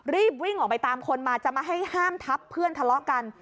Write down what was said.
รีบวิ่งออกไปตามคนมาจะมาให้ห้ามทับเพื่อนทะเลาะกัน